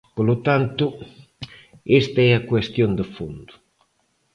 Polo tanto, esta é a cuestión de fondo.